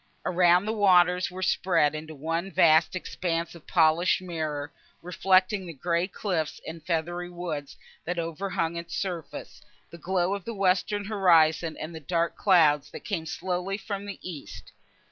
Around, the waters were spread into one vast expanse of polished mirror, reflecting the grey cliffs and feathery woods, that over hung its surface, the glow of the western horizon and the dark clouds, that came slowly from the east.